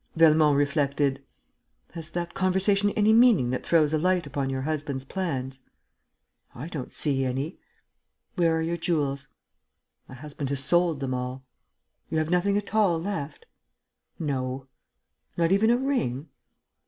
Velmont reflected: "Has that conversation any meaning that throws a light upon your husband's plans?" "I don't see any." "Where are your jewels?" "My husband has sold them all." "You have nothing at all left?" "No." "Not even a ring?"